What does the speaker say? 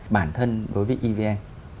bản thân đối với evn